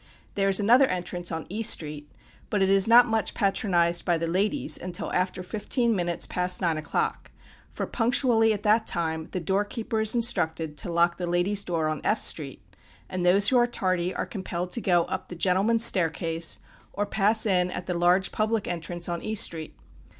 There is another entrance on E street, but it is not much patronized by the ladies until after fifteen minutes past nine o'clock; for punctually at that time, the door keeper is instructed to lock the ladies' door on F street, and those who are tardy are compelled to go up the gentlemen's staircase, or pass in at the large public entrance on E street.